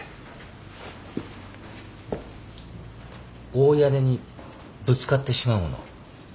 大屋根にぶつかってしまうもの。